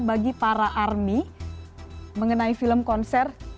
bagi para army mengenai film konser